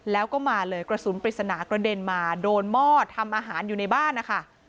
แล้วก็มาเลยกระสุนปริศนากระเด็นมาโดนหม้อทำอาหารอยู่ในบ้านนะคะ